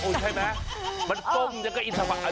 โอ๊ยใช่ไหมมันต้มแล้วก็อินทรัพย์